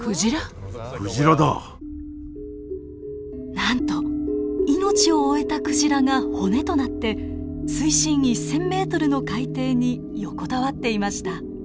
なんと命を終えたクジラが骨となって水深１，０００ｍの海底に横たわっていました。